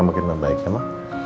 makin baik ya ma